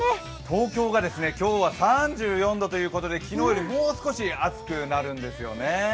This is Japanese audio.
東京が今日は３４度ということで昨日よりもう少し暑くなるんですよね。